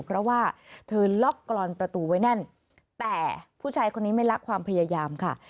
เพราะว่าเธอล็อกกรอนประตูไว้แน่นแต่ผู้ชายคนนี้ไม่ลักความพยายามค่ะ